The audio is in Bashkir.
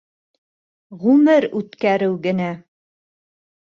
Ғүмер үткәреү генә.